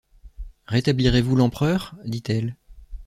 Rétablirez-vous l’Empereur? dit-elle.